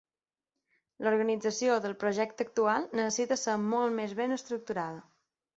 L'organització del projecte actual necessita ser molt més ben estructurada.